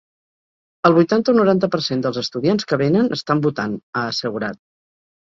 El vuitanta o noranta per cent dels estudiants que venen estan votant, ha assegurat.